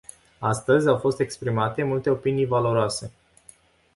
Astăzi au fost exprimate multe opinii valoroase.